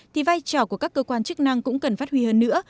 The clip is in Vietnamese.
thì vai trò của các cơ quan chức năng cũng cần phát huy hơn nữa